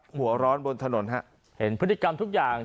หัวร้อนบนถนนฮะเห็นพฤติกรรมทุกอย่าง